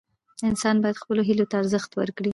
انسان باید خپلو هیلو ته ارزښت ورکړي.